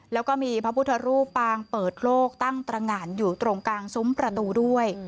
แล้วก็มีพระพุทธรูปปางเปิดโลกตั้งตรงานอยู่ตรงกลางซุ้มประตูด้วย